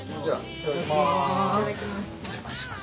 いただきます。